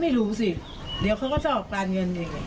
ไม่รู้สิเดี๋ยวเขาก็สอบการเงินอีก